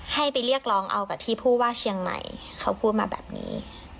ให้ไปเรียกร้องเอากับที่ผู้ว่าเชียงใหม่เขาพูดมาแบบนี้